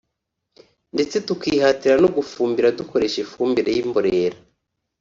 ndetse tukihatira no gufumbira dukoresha ifumbire y’imborera